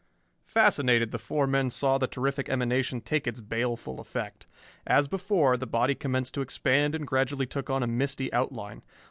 Fascinated, the four men saw the terrific emanation take its baleful effect. As before, the body commenced to expand and gradually took on a misty outline.